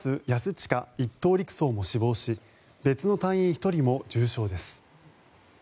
親１等陸曹も死亡し別の隊員１人も重傷です。